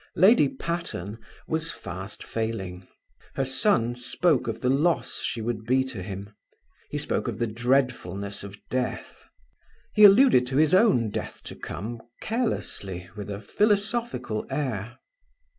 Lady Patterne was fast failing. Her son spoke of the loss she would be to him; he spoke of the dreadfulness of death. He alluded to his own death to come carelessly, with a philosophical air.